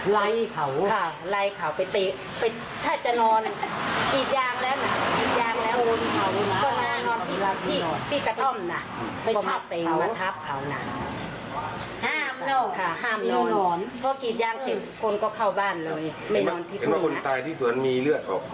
ไหล่เขาไปตีถ้าจะนอนกิดยางแล้วครับที่กระท่อมหนักไปทับเคลาหนัก